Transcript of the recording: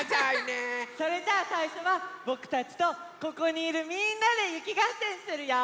それじゃあさいしょはぼくたちとここにいるみんなでゆきがっせんするよ。